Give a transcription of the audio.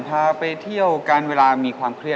พาไปเที่ยวกันเวลามีความเครียด